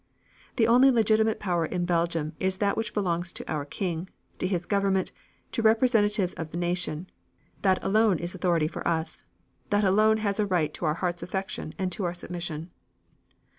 The only legitimate power in Belgium is that which belongs to our King, to his government, to the representatives of the nation; that alone is authority for us; that alone has a right to our heart's affection and to our submission.